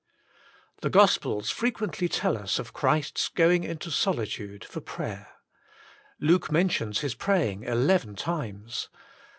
The Gospels frequently teU us of Christ's go ing into solitude for prayer. Luke mentions his praying eleven times.